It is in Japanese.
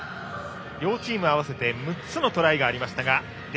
両チーム合わせて６つのトライがありましたが。